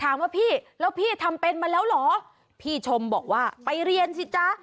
ถามว่าพี่แล้วพี่ทำเป็นมาแล้วเหรอพี่ชมบอกว่าไปเรียนสิจ๊ะ